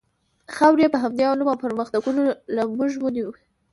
خاورې یې په همدې علومو او پرمختګونو له موږ ونیوې.